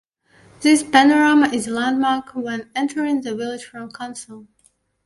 This panorama is a landmark when entering the village from Consell.